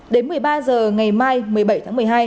đến một mươi ba h ngày mai một mươi bảy tháng một mươi hai